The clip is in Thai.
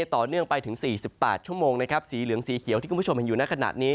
ต่อเนื่องไปถึง๔๘ชั่วโมงนะครับสีเหลืองสีเขียวที่คุณผู้ชมเห็นอยู่ในขณะนี้